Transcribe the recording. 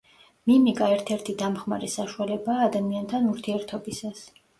მიმიკა ერთ-ერთი დამხმარე საშუალებაა ადამიანთან ურთიერთობისას.